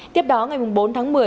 tiếp đó ngày bốn tháng một mươi